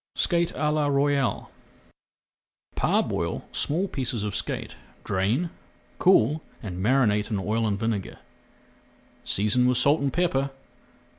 SKATE À LA ROYALE Parboil small pieces of skate, drain, cool, and marinate in oil and vinegar, seasoning with salt and pepper.